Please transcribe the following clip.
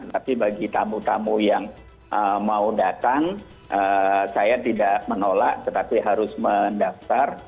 tapi bagi tamu tamu yang mau datang saya tidak menolak tetapi harus mendaftar